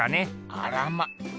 あらま。